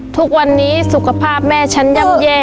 ทุกวันนี้สุขภาพแม่ฉันย่ำแย่